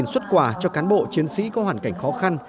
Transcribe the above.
hai xuất quả cho cán bộ chiến sĩ có hoàn cảnh khó khăn